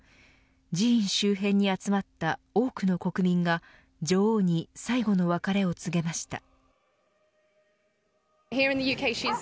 寺院周辺に集まった多くの国民が女王に最後の別れを告げました。